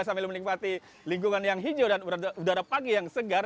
sambil menikmati lingkungan yang hijau dan udara pagi yang segar